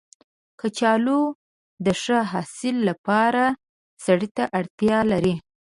کچالو د ښه حاصل لپاره سرې ته اړتیا لري